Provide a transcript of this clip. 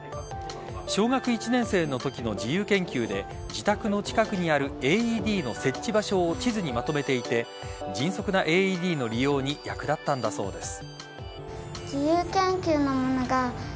小学１年生のときの自由研究で自宅の近くにあるＡＥＤの設置場所を地図にまとめていて迅速なＡＥＤの利用に役立ったんだそうです。